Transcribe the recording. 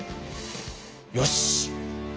よし！